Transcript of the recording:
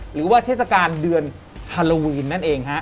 หรือว่าเทศกาลเดือนฮาโลวีนนั่นเองฮะ